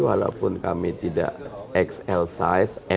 walaupun kami tidak xl size